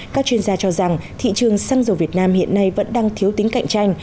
các chuyên gia cho rằng thị trường xăng dầu việt nam hiện nay vẫn đang thiếu tính cạnh tranh